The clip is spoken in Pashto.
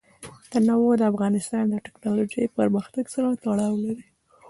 تنوع د افغانستان د تکنالوژۍ پرمختګ سره تړاو لري.